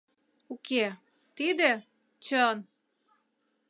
Уке, тиде — чын.